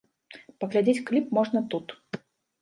Паглядзець кліп можна тут.